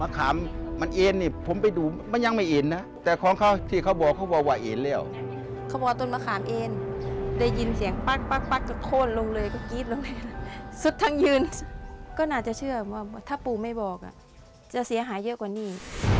สุดทั้งยืนก็น่าจะเชื่อว่าถ้าปู่ไม่บอกจะเสียหายเยอะกว่านี้